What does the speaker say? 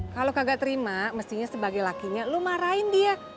kalo kagak terima mestinya sebagai lakinya lo marahin dia